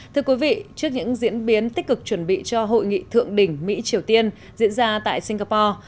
thưa quý vị trước những diễn biến tích cực chuẩn bị cho hội nghị thượng đỉnh mỹ triều tiên diễn ra tại singapore